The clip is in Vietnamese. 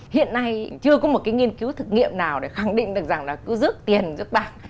hiện nay chưa có một cái nghiên cứu thực nghiệm nào để khẳng định được rằng là cứ rước tiền rước bạc